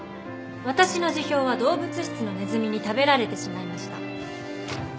私の辞表は動物室のネズミに食べられてしまいました。